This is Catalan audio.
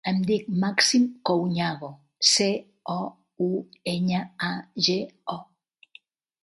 Em dic Màxim Couñago: ce, o, u, enya, a, ge, o.